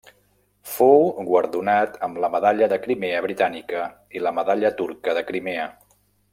Fou guardonat amb la Medalla de Crimea britànica i la Medalla turca de Crimea.